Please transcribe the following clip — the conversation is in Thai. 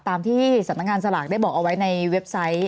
ตามที่สำนักงานสลากได้บอกเอาไว้ในเว็บไซต์